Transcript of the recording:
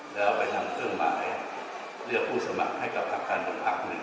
แล้วไปทำเครื่องหมายเลือกผู้สมัครให้กับทางการอีกพักหนึ่ง